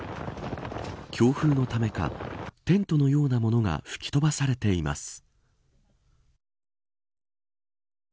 強風のためかテントのようなものが吹き飛ばされています。